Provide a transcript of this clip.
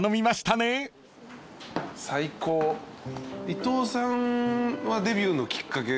伊藤さんはデビューのきっかけ。